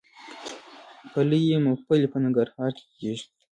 پلی یا ممپلی په ننګرهار کې کیږي.